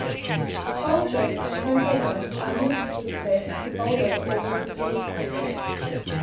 Pouches and containers are used to spread the powder over the playing surface.